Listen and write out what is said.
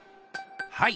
はい。